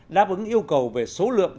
đáp ứng yêu cầu về số lượng